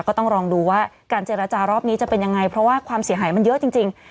ก็ต้องลองดูว่าการเจรจารอบนี้จะเป็นยังไงเพราะว่าความเสียหายมันเยอะจริง